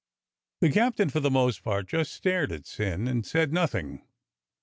The captain for the most part just stared at Syn and said nothing.